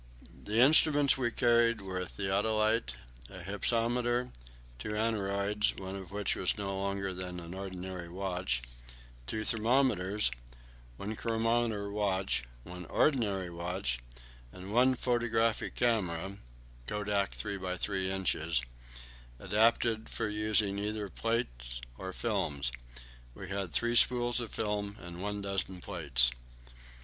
The instruments we carried were a theodolite, a hypsometer, two aneroids, one of which was no larger than an ordinary watch, two thermometers, one chronometer watch, one ordinary watch, and one photographic camera (Kodak 3 x 3 inches), adapted for using either plates or films. We had three spools of film, and one dozen plates.